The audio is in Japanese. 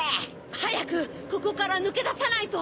はやくここからぬけださないと。